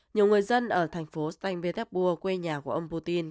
nhiều người dân ở thành phố st petersburg quê nhà của ông putin